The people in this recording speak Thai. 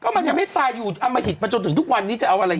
มันยังไม่ตายอยู่อมหิตมาจนถึงทุกวันนี้จะเอาอะไร